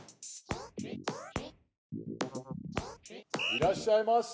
いらっしゃいませ！